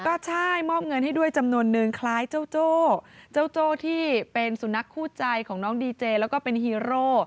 ก็ใช่มอบเงินให้ด้วยจำนวนนึงคล้ายเจ้าโจ้เจ้าโจ้ที่เป็นสุนัขคู่ใจของน้องดีเจแล้วก็เป็นฮีโร่